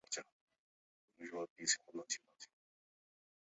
国家高级委员会召开的一个文职立法机构。